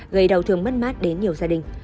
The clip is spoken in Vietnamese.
gây đau thương mất mát đến nhiều gia đình